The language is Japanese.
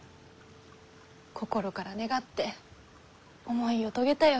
心から願って思いを遂げたよ。